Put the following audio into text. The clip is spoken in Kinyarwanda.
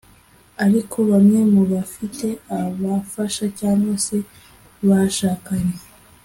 Ariko bamwe mu bafite abafasha cyangwa se bashakanye